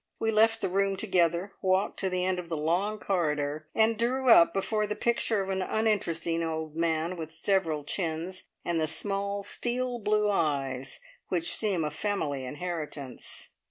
We left the room together, walked to the end of the long corridor, and drew up before the picture of an uninteresting old man with several chins, and the small, steel blue eyes which seem a family inheritance.